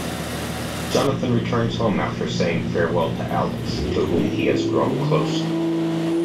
Jonathan returns home after saying farewell to Alex, to whom he has grown close.